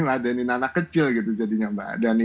ngeladeni anak anak kecil gitu jadinya mbak adani